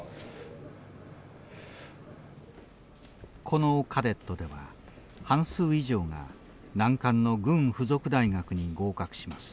このカデットでは半数以上が難関の軍付属大学に合格します。